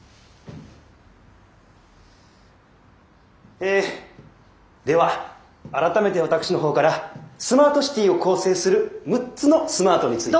えでは改めて私の方からスマートシティを構成する６つのスマートについて。